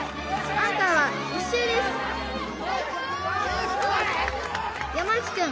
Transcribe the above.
アンカーは１周です山内くん